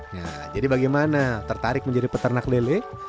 nah jadi bagaimana tertarik menjadi peternak lele